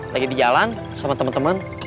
lagi di jalan sama temen temen